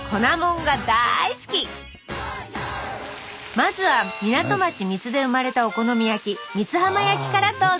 まずは港町三津で生まれたお好み焼き三津浜焼きからどうぞ！